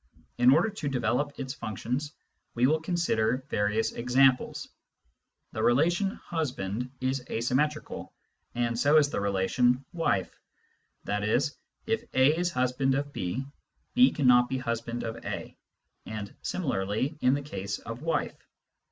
In order to develop its functions, we will consider various examples. The relation husband is asymmetrical, and so is the relation wife ; i.e. if a is husband of b, b cannot be husband of a, and similarly in the case of wife.